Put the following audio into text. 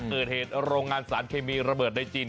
เกิดเหตุโรงงานสารเคมีระเบิดในจีน